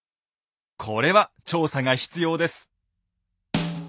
これは調査が必要です。